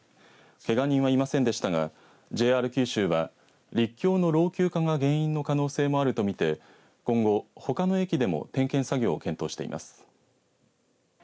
けが人はいませんでしたがＪＲ九州は陸橋の老朽化が原因の可能性もあるとみて今後、ほかの駅でも点検を検討しています。